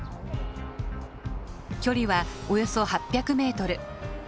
距離はおよそ８００メートル。